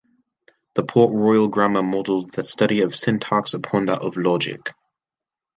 The Port-Royal grammar modeled the study of syntax upon that of logic.